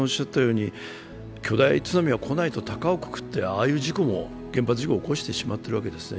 巨大津波は来ないとたかをくくってああいう事故、原発事故も起こしてしまっているんですね。